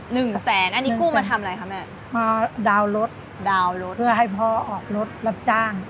หนึ่งแสนอันนี้กู้มาทำอะไรคะแม่มาดาวน์รถดาวน์รถเพื่อให้พ่อออกรถรับจ้าง